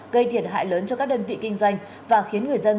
gây thiệt hại lớn cho các đơn vị kinh doanh